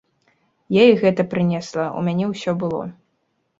Я і гэта прынесла, у мяне ўсё было.